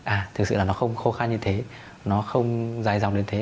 à thực sự là nó không khô khan như thế nó không dài dòng đến thế